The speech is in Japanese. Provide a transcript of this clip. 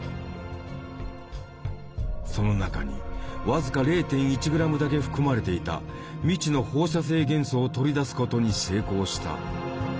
その中に僅か０．１グラムだけ含まれていた未知の放射性元素を取り出すことに成功した。